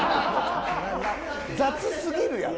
雑すぎるやろ。